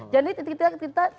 jadi kita tidak memberikan ruang